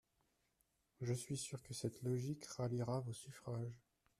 Je suis sûre que cette logique ralliera vos suffrages.